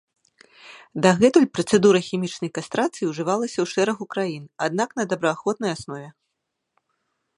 Дагэтуль працэдура хімічнай кастрацыі ўжывалася ў шэрагу краін, аднак на добраахвотнай аснове.